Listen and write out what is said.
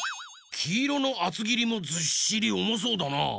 きいろのあつぎりもずっしりおもそうだな。